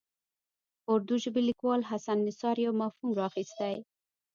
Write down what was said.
اردو ژبي لیکوال حسن نثار یو مفهوم راخیستی.